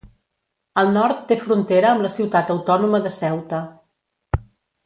Al nord té frontera amb la ciutat autònoma de Ceuta.